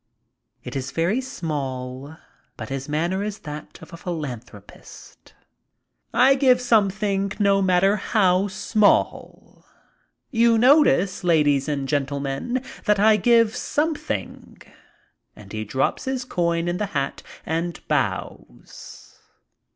It is very small, but his manner is that of a philanthropist. "I give something, no matter how small; you notice, ladies and gentlemen, that I give something," and he drops his coin in the hat and bows.